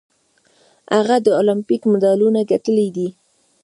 هغه د المپیک مډالونه ګټلي دي.